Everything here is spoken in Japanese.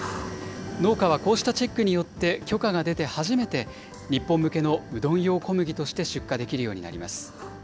農家はこうしたチェックによって許可が出て初めて、日本向けのうどん用小麦として出荷できるようになります。